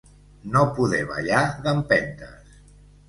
No poder ballar d'empentes.